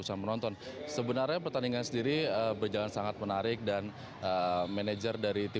apa yang terjadi